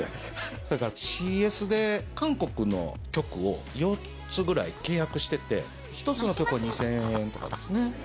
それからＣＳで韓国の局を４つぐらい契約してて１つの局２０００円とかですね。